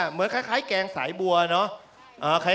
เหมือนคล้ายแกงสายบัวเนาะ